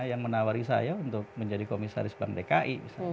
yang menawari saya untuk menjadi komisaris bank dki